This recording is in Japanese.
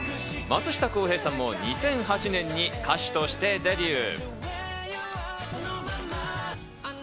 松下洸平さんも２００８年に歌手としてデビュー。